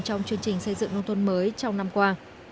trong chương trình xây dựng nông thôn mới trong năm qua